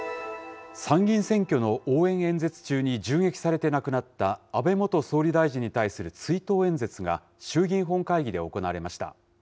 参議院選挙の応援演説中に銃撃されて亡くなった安倍元総理大臣に対する追悼演説が、衆議院本会議で行われました。